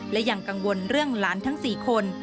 และยังกังวลเรื่องหลานทั้ง๔คน